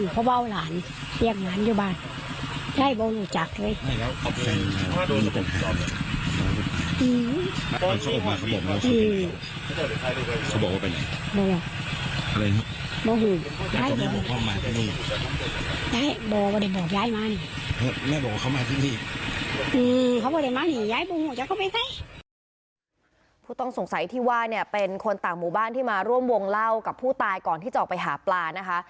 ผู้ต้องสงสัยที่ว่าเนี่ยเป็นคนต่างหมู่บ้านที่มาร่วมวงเล่ากับผู้ตายก่อนที่จะออกไปหาปลานะคะ